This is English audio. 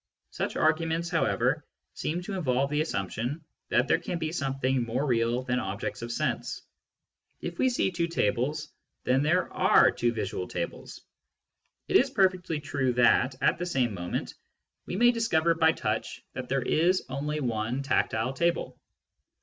Such arguments, however, seem to involve the assumption that there can be something more real than objects of sense. If we see two tables, then there are two visual tables. It is perfectly true that, at the same moment, we may discover by touch that there is only one tactile table.